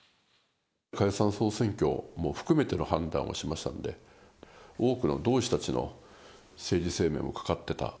解散総選挙も含めての判断をしましたんで、多くの同志たちの政治生命も懸かってた。